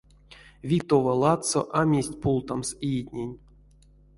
Витова ладсо а мезть пултамс иетнень.